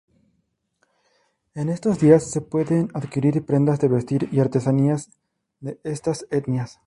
En estos días se pueden adquirir prendas de vestir y artesanías de estas etnias.